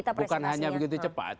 bukan hanya begitu cepat